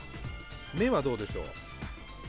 目はどうでしょう？